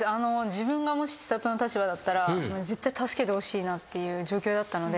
自分がもし千怜の立場だったら絶対助けてほしいなっていう状況だったので。